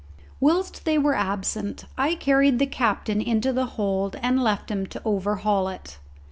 Whilst they were absent I carried the captain into the hold and left him to overhaul it.